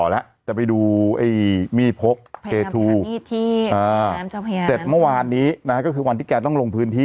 ขาเขาเนี่ยแข็งแรง